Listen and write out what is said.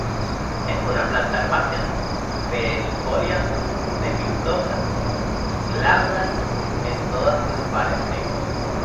Es una planta herbácea perennifolia, cespitosa, glabra en todas las partes.